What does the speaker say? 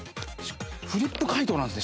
フリップ解答なんですね